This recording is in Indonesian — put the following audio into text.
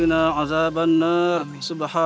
ini panasnya gak sebinget